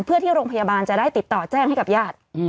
เพื่อที่โรงพยาบาลจะได้ติดต่อแจ้งให้กับญาติ